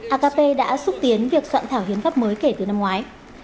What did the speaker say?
akp đã xúc tiến việc soạn thảo hiến pháp mới kể từ năm ngoái